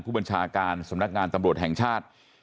ผู้บัญชาการสำนักงานตำรวจแห่งชาติ